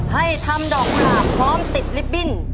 ให้ทำดอกหมากพร้อมติดลิฟตบิ้น